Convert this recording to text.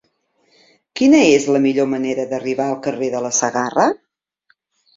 Quina és la millor manera d'arribar al carrer de la Segarra?